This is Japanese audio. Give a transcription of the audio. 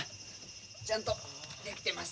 ちゃんと出来てます。